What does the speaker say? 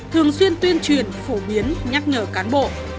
thường xuyên tuyên truyền phổ biến nhắc nhở cán bộ